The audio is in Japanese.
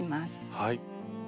はい。